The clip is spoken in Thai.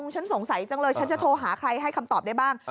ฉันสงสัยจังเลยฉันจะโทรหาใครให้คำตอบได้บ้าง